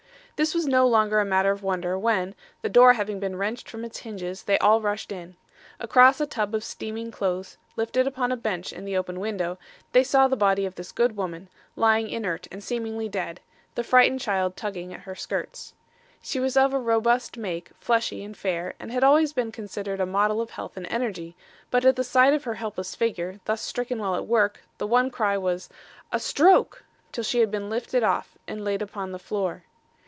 "'This was no longer a matter of wonder, when, the door having been wrenched from its hinges, they all rushed in. Across a tub of steaming clothes lifted upon a bench in the open window, they saw the body of this good woman, lying inert and seemingly dead; the frightened child tugging at her skirts. She was of a robust make, fleshy and fair, and had always been considered a model of health and energy, but at the sight of her helpless figure, thus stricken while at work, the one cry was 'A stroke! till she had been lifted off and laid upon the floor.